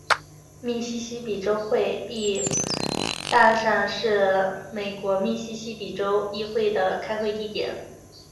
密西西比州议会大厦是美国密西西比州议会的开会地点。